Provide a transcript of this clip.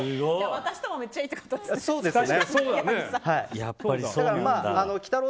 私ともめっちゃいいってことですよね。